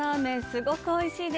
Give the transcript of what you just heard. すごくおいしいです。